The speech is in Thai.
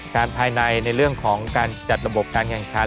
ภายในในเรื่องของการจัดระบบการแข่งขัน